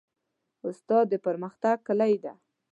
استاد د پرمختګ کلۍ ده.